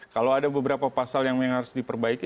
kalau ada beberapa pasal yang harus diperbaiki